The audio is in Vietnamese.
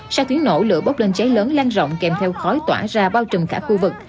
sau tiếng nổ lửa bốc lên cháy lớn lan rộng kèm theo khói tỏa ra bao trùm cả khu vực